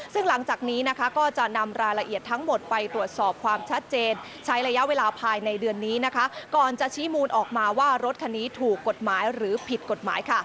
ซึ่งหลังจากนี้ก็จะนำรายละเอียดทั้งหมดไปตรวจสอบความชัดเจนใช้ระยะเวลาภายในเดือนนี้ก่อนจะชี้มูลออกมาว่ารถคันนี้ถูกกฎหมายหรือผิดกฎหมาย